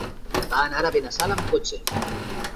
Va anar a Benassal amb cotxe.